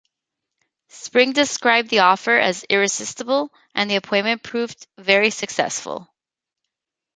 Spring described the offer as "irresistible" and the appointment proved very successful.